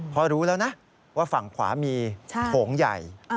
พอรู้แล้วนะว่าฝั่งขวามีโถงใหญ่